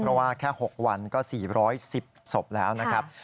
เพราะว่าแค่๖วันก็๔๑๐ศพแล้วนะครับ